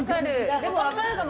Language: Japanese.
でも分かるかも。